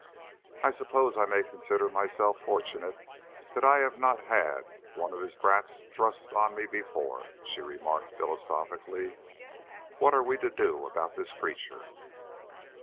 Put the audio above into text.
"I suppose I may consider myself fortunate that I have not had one of his brats thrust on me before," she remarked philosophically. "What are we to do about this creature?"